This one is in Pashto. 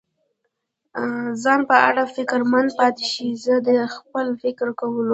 ځان په اړه فکرمند پاتې شي، زه د فکر کولو.